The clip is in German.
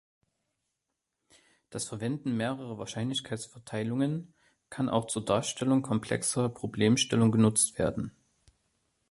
Das Verwenden mehrerer Wahrscheinlichkeitsverteilungen kann auch zur Darstellung komplexer Problemstellungen genutzt werden.